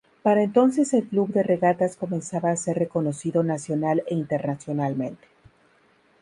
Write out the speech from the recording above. Para entonces el Club de Regatas comenzaba a ser reconocido nacional e internacionalmente.